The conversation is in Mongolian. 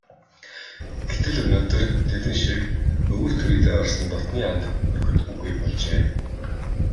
Гэтэл өнөөдөр тэдэн шиг өвөр түрийдээ орсон дотнын анд нөхөд үгүй болжээ.